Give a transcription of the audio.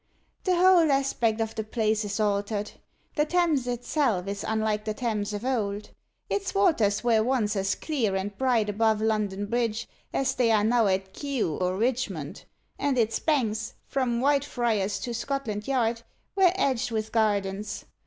"The whole aspect of the place is altered. The Thames itself is unlike the Thames of old. Its waters were once as clear and bright above London Bridge as they are now at Kew or Richmond; and its banks, from Whitefriars to Scotland Yard, were edged with gardens.